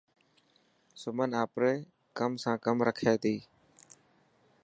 سمن آپري ڪم سان ڪم رکي ٿي.